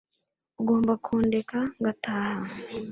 ugomba kundeka ngataha